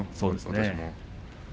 私も。